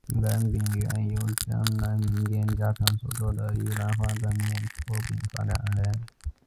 玉兰饼原由江南民间家常所做的玉兰花瓣面拖饼发展而来。